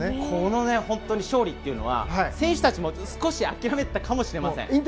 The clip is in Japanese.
この勝利というのは選手たちも少し諦めていたかもしれません。